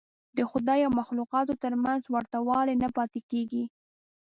د خدای او مخلوقاتو تر منځ ورته والی نه پاتې کېږي.